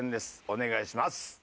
お願いします。